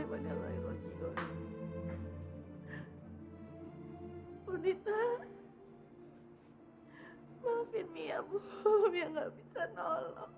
ibu nita maafkan aku aku tidak bisa menolong